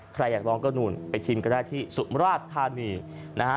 ใครอยากลองก็นู่นไปชิมก็ได้ที่สุมราชธานีนะฮะ